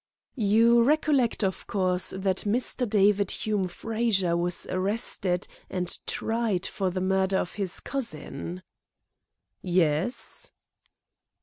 "You recollect, of course, that Mr. David Hume Frazer was arrested and tried for the murder of his cousin?" "Yes."